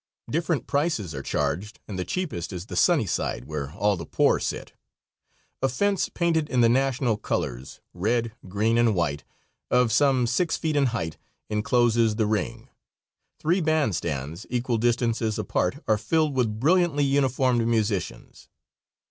Different prices are charged and the cheapest is the sunny side, where all the poor sit. A fence painted in the national colors red, green and white of some six feet in height, incloses the ring. Three band stands, equal distances apart, are filled with brilliantly uniformed musicians.